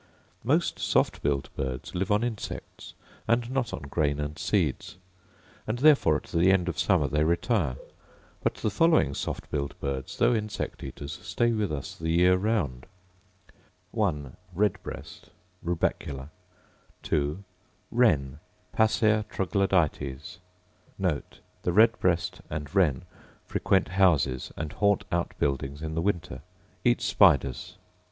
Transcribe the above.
Most soft billed birds live on insects, and not on grain and seeds; and therefore at the end of summer they retire: but the following soft billed birds, though insect eaters, stay with us the year round: Red breast, Raii nomina: Rubecula: Wren, Passer troglodytes: These frequent houses; and haunt outbuildings in the winter; eat spiders.